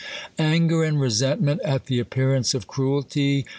U Anger and resentment at the appearance of cruelty